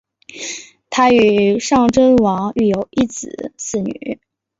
她与尚贞王育有一子四女。